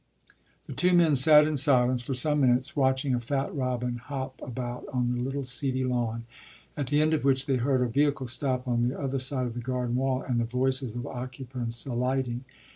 The two men sat in silence for some minutes, watching a fat robin hop about on the little seedy lawn; at the end of which they heard a vehicle stop on the other side of the garden wall and the voices of occupants alighting.